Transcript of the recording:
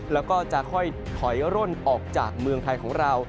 แล้วก็จะค่อยถอยร่นออกจากเมืองไทยของเรา